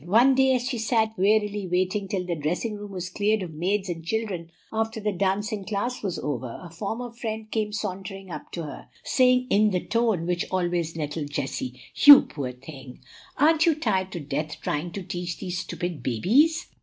One day as she sat wearily waiting till the dressing room was cleared of maids and children after the dancing class was over, a former friend came sauntering up to her, saying In the tone which always nettled Jessie, "You poor thing! aren't you tired to death trying to teach these stupid babies?"